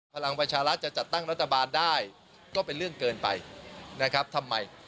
พลังประชารัฐจะจัดตั้งรัฐบาลได้ก็เป็นเรื่องเกินไปนะครับทำไม